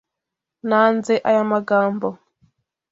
Nanze aya magambo.